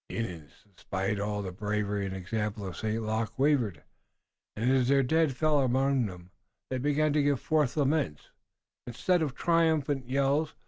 The Indians, despite all the bravery and example of St. Luc, wavered, and, as their dead fell around them, they began to give forth laments, instead of triumphant yells.